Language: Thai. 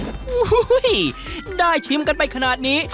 โอ้โหได้ชิมกันไปขนาดนี้